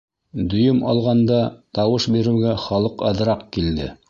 Дөйөм алғанда, тауыш биреүгә халыҡ аҙыраҡ килде.